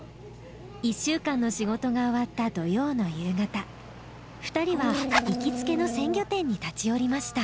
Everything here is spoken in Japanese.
一週間の仕事が終わった土曜の夕方２人は行きつけの鮮魚店に立ち寄りました。